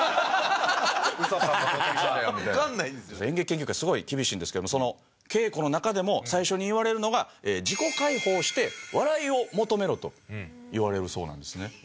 演劇研究会すごい厳しいんですけどもその稽古の中でも最初に言われるのが「自己解放して笑いを求めろ」と言われるそうなんですね。